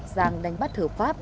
sang đánh bắt hợp pháp